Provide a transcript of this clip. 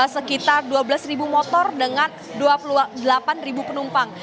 sekitar dua belas motor dengan dua puluh delapan penumpang